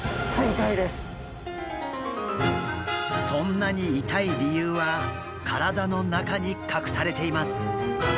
そんなに痛い理由は体の中に隠されています。